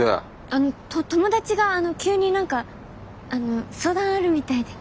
あのと友達が急に何かあの相談あるみたいで。